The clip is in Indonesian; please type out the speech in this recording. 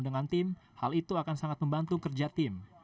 dengan tim hal itu akan sangat membantu kerja tim